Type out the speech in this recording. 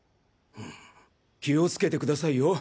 気をつけてくださいよ。